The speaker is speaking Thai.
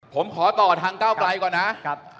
ผมขอต่อทางก้าวไกลก่อนนะ